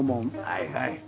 はいはい。